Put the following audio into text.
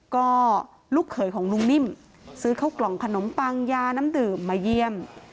ก็ลูกเขยของลุงนิ่มซื้อเข้ากล่องขนมปังยาน้ำดื่มมาเยี่ยม